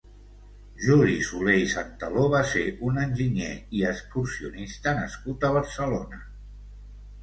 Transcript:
Juli Soler i Santaló va ser un enginyer i excursionista nascut a Barcelona.